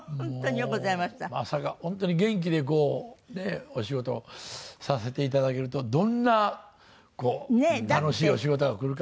まさか本当に元気でこうお仕事をさせていただけるとどんな楽しいお仕事がくるか。